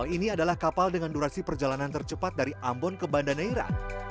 ini adalah kapal dengan durasi perjalanan tercepat dari ambon ke banda neira